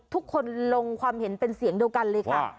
ทุกคนลงความเห็นเป็นเสียงเดียวกันเลยค่ะ